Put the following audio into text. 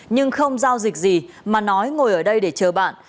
nhưng không giao dịch gì mà nói ngồi ở đây để chờ bạn